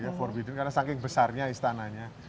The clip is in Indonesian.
karena saking besarnya istananya